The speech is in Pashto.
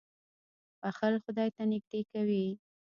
• بښل خدای ته نېږدې کوي.